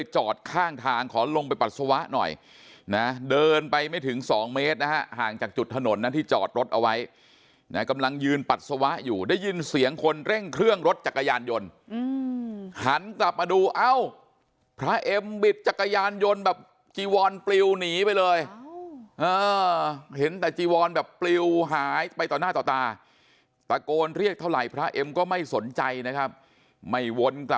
จอดข้างทางขอลงไปปัสสาวะหน่อยนะเดินไปไม่ถึงสองเมตรนะฮะห่างจากจุดถนนนะที่จอดรถเอาไว้นะกำลังยืนปัสสาวะอยู่ได้ยินเสียงคนเร่งเครื่องรถจักรยานยนต์หันกลับมาดูเอ้าพระเอ็มบิดจักรยานยนต์แบบจีวอนปลิวหนีไปเลยเห็นแต่จีวอนแบบปลิวหายไปต่อหน้าต่อตาตะโกนเรียกเท่าไหร่พระเอ็มก็ไม่สนใจนะครับไม่วน